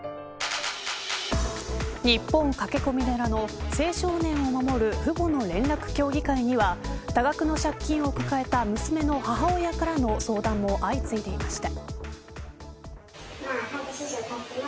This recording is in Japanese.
日本駆け込み寺の青少年を守る父母の連絡協議会には多額の借金を抱えた娘の母親からの相談も相次いでいました。